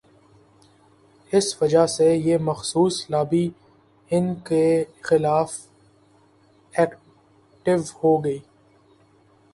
اس وجہ سے یہ مخصوص لابی ان کے خلاف ایکٹو ہو گئی۔